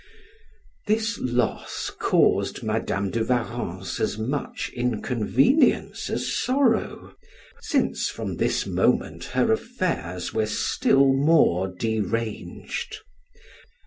This loss caused Madam de Warrens as much inconvenience as sorrow, since from this moment her affairs were still more deranged.